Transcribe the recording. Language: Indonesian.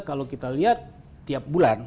kalau kita lihat tiap bulan